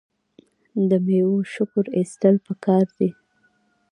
د میوو شکر ایستل پکار دي.